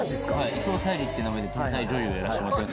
伊藤沙莉って名前で天才女優やらしてもらって。